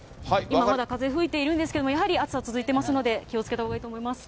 今も風は吹いてるんですけれども、やはり暑さは続いてますので、気をつけたほうがいいと思います。